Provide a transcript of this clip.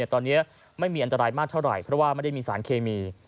ตอนนี้ไม่มีอันตรายมากเท่าไหร่เพราะว่าไม่ได้มีสารเคมี